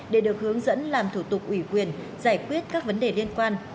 để được hướng dẫn làm thủ tục ủy quyền giải quyết các vấn đề liên quan